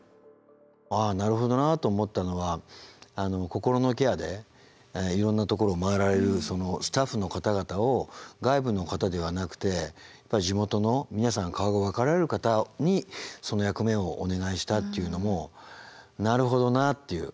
ああなるほどなと思ったのが心のケアでいろんなところを回られるスタッフの方々を外部の方ではなくてやっぱり地元の皆さん顔が分かられる方にその役目をお願いしたっていうのもなるほどなっていう。